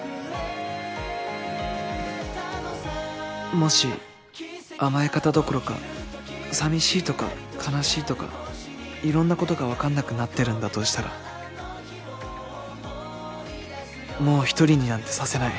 もし甘え方どころか寂しいとか悲しいとかいろんなことが分かんなくなってるんだとしたらもう独りになんてさせない